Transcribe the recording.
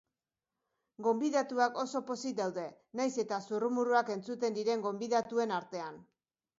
Gonbidatuak oso pozik daude naiz eta zurrumurruak entzuten diren gonbidatuen artean.